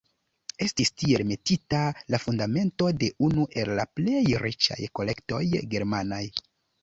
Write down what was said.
Estis tiel metita la fundamento de unu el la plej riĉaj kolektoj germanaj.